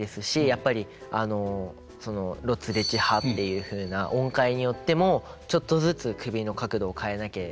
やっぱり「ロツレチハ」っていうふうな音階によってもちょっとずつ首の角度を変えなきゃいけなかったりとか。